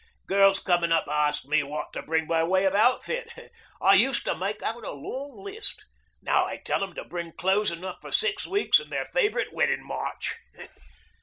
Girls coming up ask me what to bring by way of outfit. I used to make out a long list. Now I tell them to bring clothes enough for six weeks and their favorite wedding march."